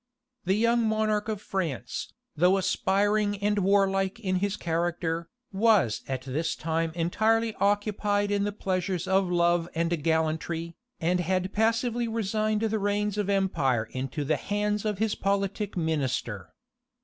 The young monarch of France, though aspiring and warlike in his character, was at this time entirely occupied in the pleasures of love and gallantry, and had passively resigned the reins of empire into the hands of his politic minister.